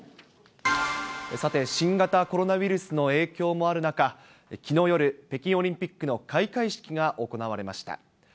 さて、新型コロナウイルスの影響もある中、きのう夜、北京オリンピックの開会式が行われました。